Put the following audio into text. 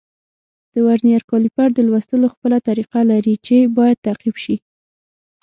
د ورنیز کالیپر د لوستلو خپله طریقه لري چې باید تعقیب شي.